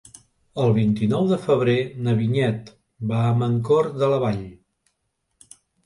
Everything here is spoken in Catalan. El vint-i-nou de febrer na Vinyet va a Mancor de la Vall.